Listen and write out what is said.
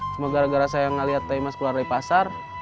semoga gara gara saya ngeliat tai mas keluar dari pasar